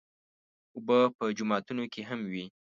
اوبه په جوماتونو کې هم وي.